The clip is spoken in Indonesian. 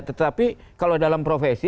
tetapi kalau dalam profesi